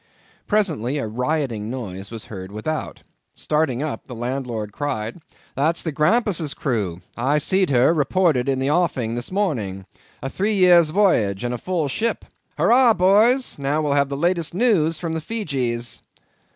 Presently a rioting noise was heard without. Starting up, the landlord cried, "That's the Grampus's crew. I seed her reported in the offing this morning; a three years' voyage, and a full ship. Hurrah, boys; now we'll have the latest news from the Feegees."